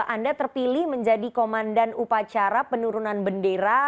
anda terpilih menjadi komandan upacara penurunan bendera